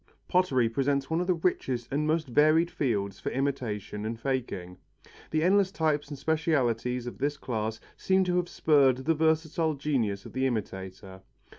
Pottery presents one of the richest and most varied fields for imitation and faking. The endless types and specialities of this class seem to have spurred the versatile genius of the imitator.